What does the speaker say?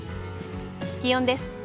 気温です。